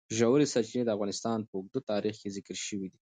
ژورې سرچینې د افغانستان په اوږده تاریخ کې ذکر شوی دی.